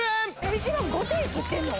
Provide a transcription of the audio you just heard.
１万５０００円切ってんの？